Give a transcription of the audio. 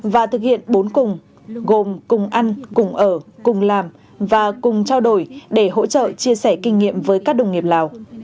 và thực hiện bốn cùng gồm ăn cùng ở cùng làm và cùng trao đổi để hỗ trợ chia sẻ kinh nghiệm với các đồng nghiệp lào